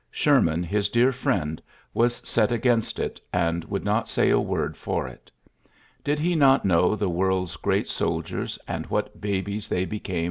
Sherman, his dear friend, was set against it, and would not say a word . for it. Did he not know the world's great soldiers, and what babies they be XJLYSSES S.